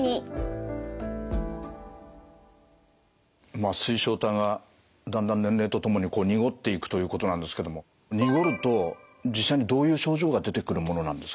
まあ水晶体がだんだん年齢とともに濁っていくということなんですけども濁ると実際にどういう症状が出てくるものなんですか？